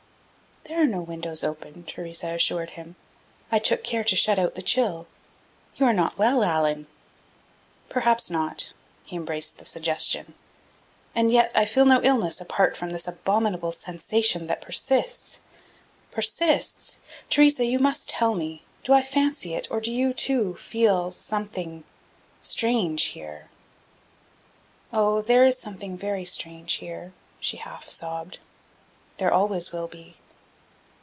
"There are no windows open," Theresa assured him. "I took care to shut out the chill. You are not well, Allan!" "Perhaps not." He embraced the suggestion. "And yet I feel no illness apart from this abominable sensation that persists persists.... Theresa, you must tell me: do I fancy it, or do you, too, feel something strange here?" "Oh, there is something very strange here," she half sobbed. "There always will be."